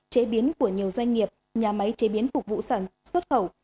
chế biến của nhiều doanh nghiệp nhà máy chế biến phục vụ xuất khẩu